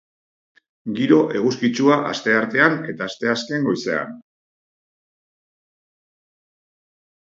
Giro eguzkitsua asteartean eta asteazken goizean.